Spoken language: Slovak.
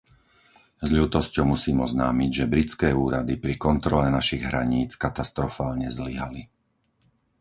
S ľútosťou musím oznámiť, že britské úrady pri kontrole našich hraníc katastrofálne zlyhali.